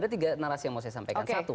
ada tiga narasi yang mau saya sampaikan satu